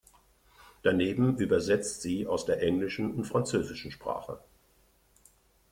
Daneben übersetzt sie aus der englischen und französischen Sprache.